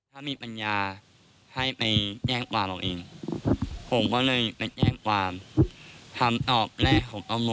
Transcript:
ถ้ามีปัญญาให้ไปแจ้งความล่ะเอง